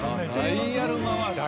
「ダイヤル回して」。